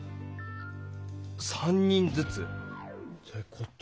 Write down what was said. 「３人ずつ」って事は。